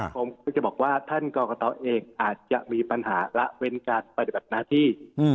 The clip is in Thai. ผมก็จะบอกว่าท่านกรกตเองอาจจะมีปัญหาละเว้นการปฏิบัติหน้าที่